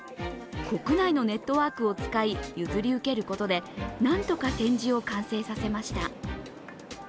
国内のネットワークを使い譲り受けることで何とか展示を完成させました。